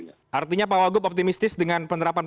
artinya pak wagup optimistis dengan penerapan